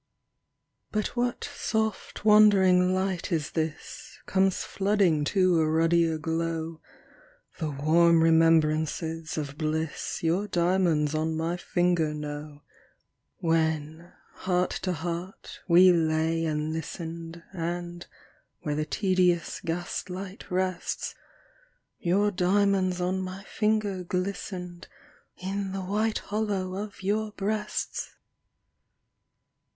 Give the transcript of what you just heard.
But what soft wandering light is this Comes flooding to a ruddier glow The warm remembrances of bliss Your diamonds on my finger know, When, heart to heart, we lay and listened, And, where the tedious gaslight rests, Your diamonds on my finger glistened In the white hollow of your breasts